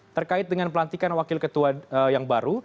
terkait dengan pelantikan wakil ketua yang baru